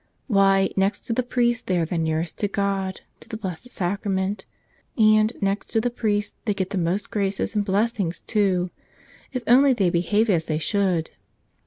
Why, next to the priest they are the nearest to God, to the Blessed Sac¬ rament. And, next to the priest, they get the most graces and blessings, too, if only they behave as they should